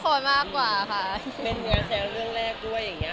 แสงจะเราต้องเงียบมากเลยเนาะ